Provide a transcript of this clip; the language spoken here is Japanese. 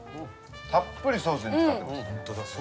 たっぷりソースに漬かってます。